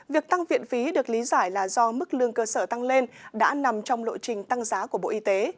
việc tăng viện phí được lý giải là do mức lương cơ sở tăng lên đã nằm trong lộ trình tăng giá của bộ y tế